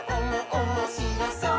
おもしろそう！」